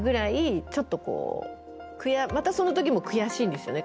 またその時も悔しいんですよね